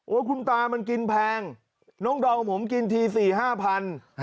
โอ้วคุณตามันกินแพงน้องดอมของผมกินทีสี่ห้าพัน